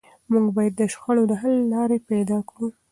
موږ باید د شخړو د حل لارې پیدا کړو.